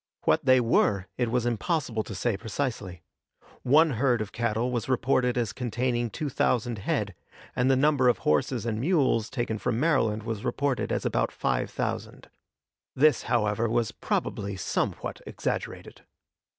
What they were, it was impossible to say precisely. One herd of cattle was reported as containing two thousand head, and the number of horses and mules taken from Maryland was reported as about five thousand. This, however, was probably somewhat exaggerated.